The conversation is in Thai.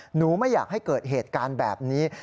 หนูไม่อยากให้เกิดเหตุการณ์แบบนี้